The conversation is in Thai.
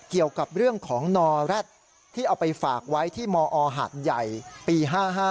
เกี่ยวกับเรื่องของนอแร็ดที่เอาไปฝากไว้ที่มอหาดใหญ่ปี๕๕